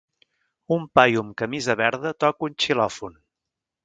Un paio amb camisa verda toca un xilòfon.